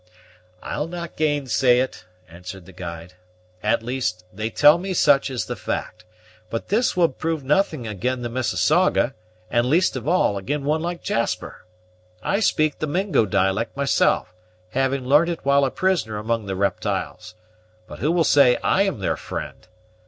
"I'll not gainsay it," answered the guide; "at least, they tell me such is the fact. But this would prove nothing ag'in a Mississauga, and, least of all, ag'in one like Jasper. I speak the Mingo dialect myself, having learnt it while a prisoner among the reptyles; but who will say I am their friend?